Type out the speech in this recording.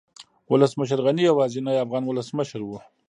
ولسمشر غني يوازينی افغان ولسمشر و